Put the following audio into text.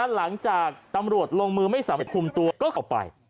หลังจากตำรวจลงมือไม่สามารถคุมตัวก็เข้าไป